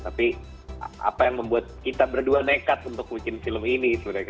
tapi apa yang membuat kita berdua nekat untuk bikin film ini sebenarnya